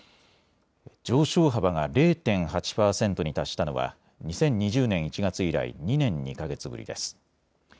上昇幅が０．８％に達したのは２０２０年１月以来２年２か月ぶりです。